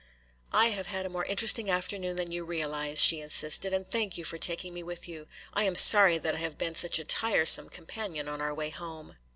"I have had a more interesting afternoon than you realize," she insisted, "and thank you for taking me with you. I am sorry that I have been such a tiresome companion on our way home."